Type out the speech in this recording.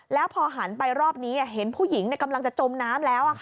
แล้วพอหันไปรอบนี้เห็นผู้หญิงกำลังจะจมน้ำแล้ว